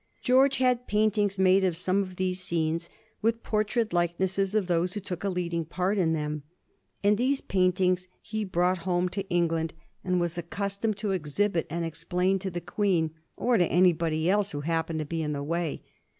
George had paintings made of some o( these scenes, with portrait likenesses of those who took a leading part in them, and these paint ings he brought home to England, and was accustomed 1786. TO HANOVER AT ALL HAZARDS. 49 to exhibit aud explain to the Queen, or to anybody else who happened to be in the way.